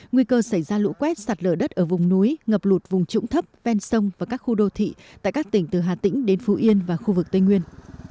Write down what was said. nguy cơ xảy ra lũ quét sạt lở đất ở vùng núi ngập lụt vùng trũng thấp ven sông và các khu đô thị tại các tỉnh từ hà tĩnh đến phú yên và khu vực tây nguyên